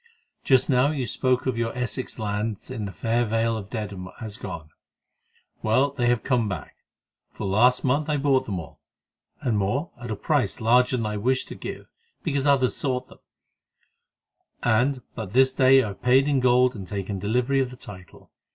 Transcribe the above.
Just now you spoke of your Essex lands in the fair Vale of Dedham as gone. Well, they have come back, for last month I bought them all, and more, at a price larger than I wished to give because others sought them, and but this day I have paid in gold and taken delivery of the title.